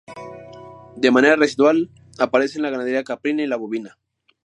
De manera residual aparecen la ganadería caprina y la ovina.